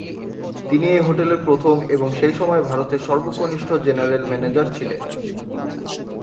তিনি এই হোটেলের প্রথম এবং সেই সময়ে ভারতের সর্বকনিষ্ঠ জেনারেল ম্যানেজার ছিলে।